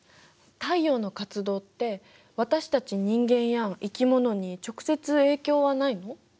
太陽の活動って私たち人間や生き物に直接影響はないの？